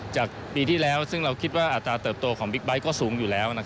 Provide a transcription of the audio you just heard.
จากปีที่แล้วซึ่งเราคิดว่าอัตราเติบโตของบิ๊กไบท์ก็สูงอยู่แล้ว